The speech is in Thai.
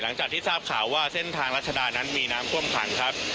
หลังจากที่ทราบข่าวว่าเส้นทางรัชดานั้นมีน้ำท่วมขังครับ